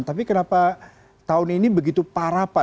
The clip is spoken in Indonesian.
tapi kenapa tahun ini begitu parah pak